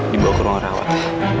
di bawah ruang rawat